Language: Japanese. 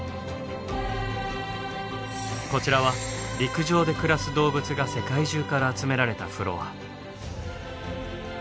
こちらは陸上で暮らす動物が世界中から集められたフロア。